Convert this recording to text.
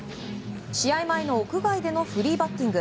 試合前の屋外でのフリーバッティング。